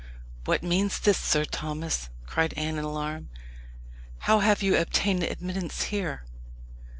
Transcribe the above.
"What means this, Sir Thomas?" cried Anne in alarm. "How have you obtained admittance here?"